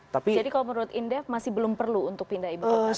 jadi kalau menurut indef masih belum perlu untuk pindah ibu kota